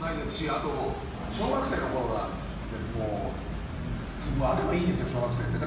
あと、小学生のころなんて頭いいんですよ、小学生って。